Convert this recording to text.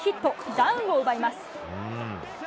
ダウンを奪います。